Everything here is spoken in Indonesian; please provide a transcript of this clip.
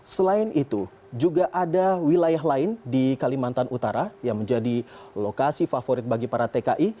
selain itu juga ada wilayah lain di kalimantan utara yang menjadi lokasi favorit bagi para tki